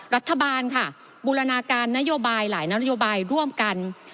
รัฐบาลค่ะบูรณาการนโยบายหลายนโยบายร่วมกัน